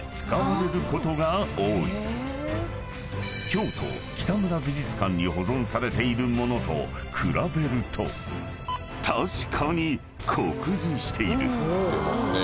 ［京都北村美術館に保存されている物と比べると確かに酷似している］